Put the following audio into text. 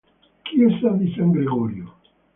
Chiesa di San Gregorio